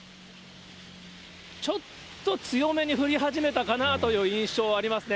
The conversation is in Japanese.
ちょっと強めに降り始めたかなという印象はありますね。